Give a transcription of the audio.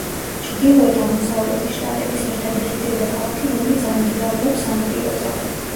ჩრდილოეთ-აღმოსავლეთის შტატების ერთადერთი დედაქალაქი, რომელიც არ მდებარეობს სანაპიროზე.